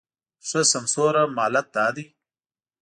ښه سمسوره مالت دا دی